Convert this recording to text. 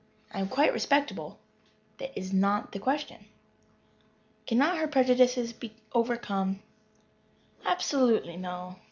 "I am quite respectable." "That is not the question." "Cannot her prejudices be overcome?" "Absolutely no."